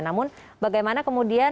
namun bagaimana kemudian